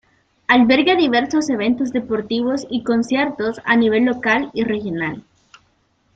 Alberga diversos eventos deportivos y conciertos a nivel local y regional.